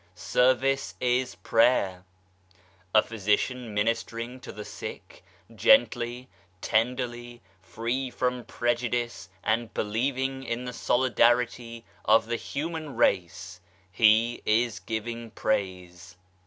Service is prayer. A physician ministering to the sick, gently, tenderly, free from prejudice and believing in the solidarity of the human race, he is giving praise."